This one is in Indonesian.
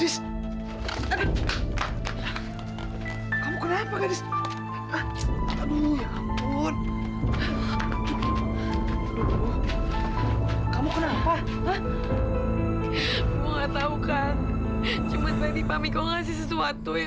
sampai jumpa di video selanjutnya